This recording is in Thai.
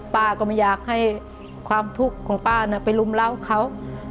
ป้าก็ไม่อยากให้ความทุกข์ของป้าไปรุมเล่าเขา